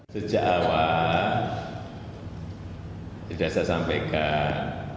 sejak awal tidak saya sampaikan